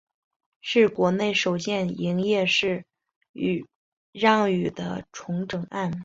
是国内首件营业式让与的重整案。